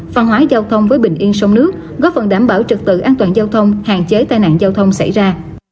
văn hóa giao thông với bình yên sông nước góp phần đảm bảo trực tự an toàn giao thông hạn chế tai nạn giao thông xảy ra